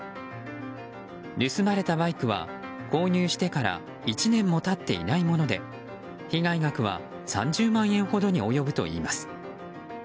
盗まれたバイクは購入してから１年も経っていないもので被害額は３０万円ほどに及ぶといいます。